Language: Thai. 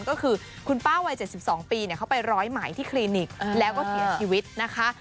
ก็คือคุณป้าวัย๗๒ปีเขาไปร้อยไหมที่คลินิกแล้วก็เสียชีวิตนะคะ